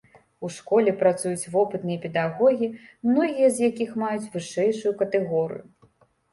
У школе працуюць вопытныя педагогі, многія з якіх маюць вышэйшую катэгорыю.